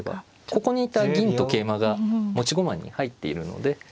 ここにいた銀と桂馬が持ち駒に入っているので。